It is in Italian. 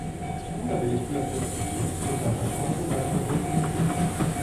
Una delle sue attrattive è data proprio dalla sua doppia esposizione.